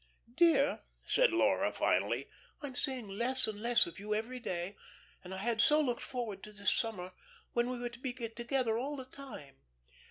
"Dear," said Laura, finally, "I'm seeing less and less of you every day, and I had so looked forward to this summer, when we were to be together all the time."